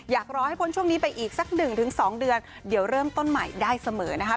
รอให้พ้นช่วงนี้ไปอีกสัก๑๒เดือนเดี๋ยวเริ่มต้นใหม่ได้เสมอนะคะ